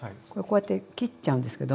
これこうやって切っちゃうんです。